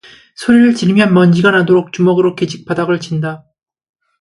소리를 지르며 먼지가 나도록 주먹으로 기직 바닥을 친다.